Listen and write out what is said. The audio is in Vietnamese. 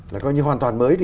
là coi như hoàn toàn mới